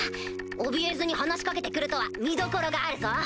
おびえずに話し掛けて来るとは見どころがあるぞ！